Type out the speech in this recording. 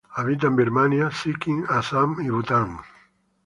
Habita en Birmania, Sikkim, Assam y Bután.